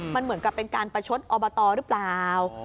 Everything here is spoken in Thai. มันเหมือนกับเป็นการประชดอบตหรือเปล่า